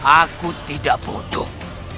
aku tidak bodoh